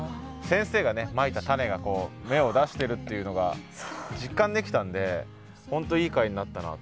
先生がねまいた種がこう芽を出してるっていうのが実感できたんで本当いい回になったなと思いましたね。